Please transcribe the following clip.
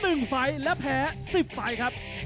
จังไข้มวยเพชรจินดาครับโดยพันเอกพิเศษศักดาเพชรจินดา